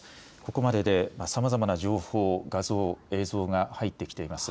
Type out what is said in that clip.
ここまでで、さまざまな情報画像、映像が入ってきています。